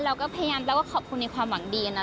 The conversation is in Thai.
เราก็พยายามแปลว่าขอบคุณในความหวังดีนะ